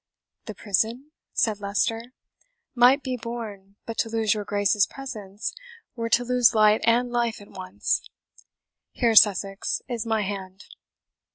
"The prison?" said Leicester, "might be borne, but to lose your Grace's presence were to lose light and life at once. Here, Sussex, is my hand."